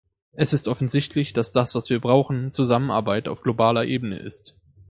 Es ist offensichtlich, dass das, was wir brauchen, Zusammenarbeit auf globaler Ebene ist.